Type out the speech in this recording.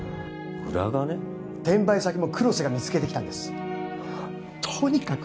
裏金？転売先も黒瀬が見つけてきたんですとにかく